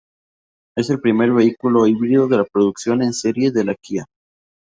Es el primer vehículo híbrido de producción en serie de la Kia.